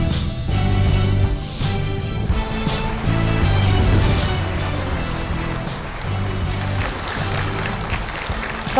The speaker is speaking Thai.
สวัสดีครับ